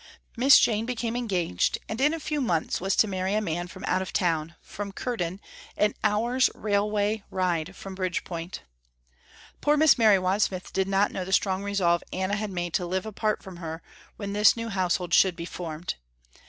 Miss Jane became engaged and in a few months was to marry a man from out of town, from Curden, an hour's railway ride from Bridgepoint. Poor Miss Mary Wadsmith did not know the strong resolve Anna had made to live apart from her when this new household should be formed.